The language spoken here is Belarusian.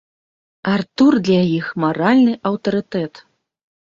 Артур для іх маральны аўтарытэт.